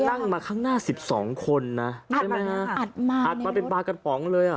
นั่งมาข้างหน้า๑๒คนนะอัดมาเป็นปากกัดปองเลย